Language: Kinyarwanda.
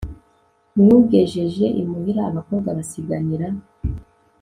nywugejeje imuhira abakobwa basiganira